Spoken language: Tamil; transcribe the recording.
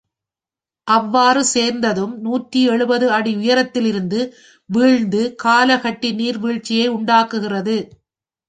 அவ்வாறு சேர்ந்த தும் நூற்றி எழுபது அடி உயரத்திலிருந்து வீழ்ந்து காலகட்டி நீர் வீழ்ச்சியை உண்டாக்குகிறது.